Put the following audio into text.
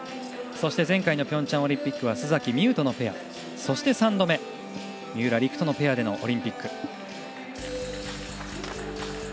そして前回ピョンチャンオリンピックは須崎海羽とのペアそして、３度目三浦璃来とペアでのオリンピック。